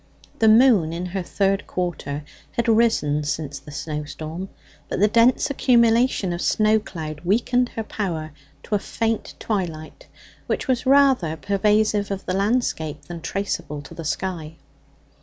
The moon, in her third quarter, had risen since the snowstorm; but the dense accumulation of snow cloud weakened her power to a faint twilight, which was rather pervasive of the landscape than traceable to the sky.